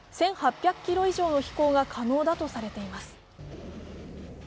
１８００ｋｍ以上の飛行が可能だとされています。